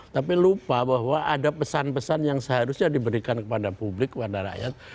tapi lupa bahwa ada pesan pesan yang seharusnya diberikan kepada publik kepada rakyat